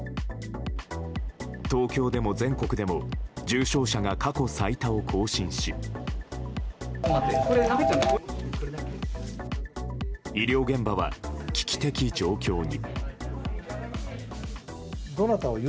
東京でも全国でも重症者が過去最多を更新し医療現場は危機的状況に。